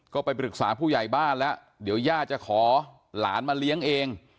ก็ไปปรึกษาผู้ใหญ่บ้านแล้วเดี๋ยวย่าจะขอหลานมาเลี้ยงเอง